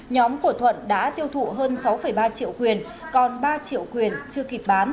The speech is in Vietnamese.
nhóm của thuận đã tiêu thụ hơn sáu ba triệu quyền còn ba triệu quyền chưa kịp bán